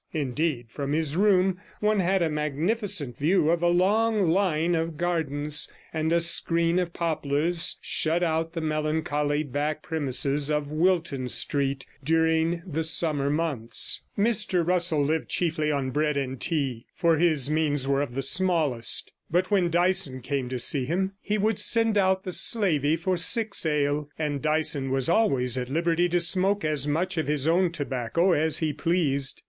Indeed, from his room one had a magnificent view of a long line of gardens, and a screen of poplars shut out the melancholy back premises of Wilton Street during the summer months. Mr Russell lived chiefly on bread and tea, for his means were of the smallest; but when Dyson came to see him, he would send out the slavey for six ale, and Dyson was always at liberty to smoke as much of his own tobacco as he pleased.